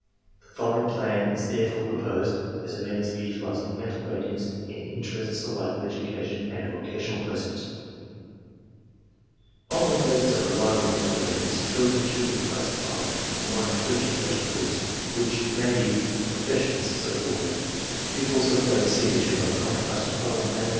"The following plan is therefore proposed as a means of utilizing mental ratings in the interests alike of education and of vocational placement. "On the basis of reliable mental ratings, children should be classified in one of three intellectual groups, which may be 192 ARMY MENTAL TESTS designated by the letters A, B, and C.